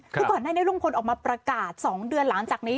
เพราะก่อนให้ลุงพลออกมาประกาศ๒เดือนหลังจากนี้